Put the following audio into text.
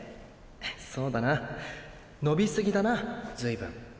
そうだな伸びすぎだなずい分。